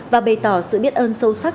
và bày tỏ sự biết ơn sâu sắc